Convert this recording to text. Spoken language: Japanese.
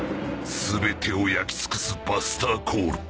全てを焼き尽くすバスターコール。